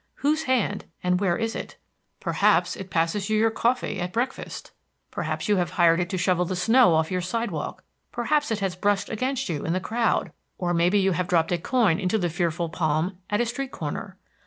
Whose hand, and where is it? Perhaps it passes you your coffee at breakfast; perhaps you have hired it to shovel the snow off your sidewalk; perhaps it has brushed against you in the crowd; or may be you have dropped a coin into the fearful palm at a street corner.